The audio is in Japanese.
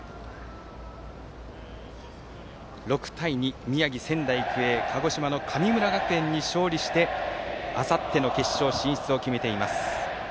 ６対２、宮城、仙台育英鹿児島の神村学園に勝利してあさっての決勝進出を決めています。